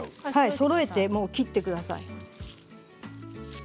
そろえて切ってください。